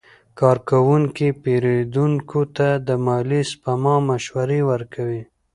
کارکوونکي پیرودونکو ته د مالي سپما مشورې ورکوي.